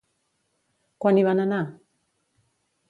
Quan hi van anar?